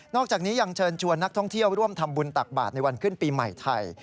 อกจากนี้ยังเชิญชวนนักท่องเที่ยวร่วมทำบุญตักบาทในวันขึ้นปีใหม่ไทย